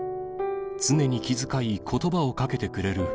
常に気遣い、ことばをかけてくれる。